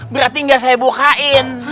berarti gak saya bukain